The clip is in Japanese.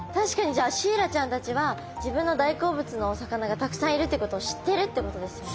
じゃあシイラちゃんたちは自分の大好物のお魚がたくさんいるってことを知ってるってことですよね。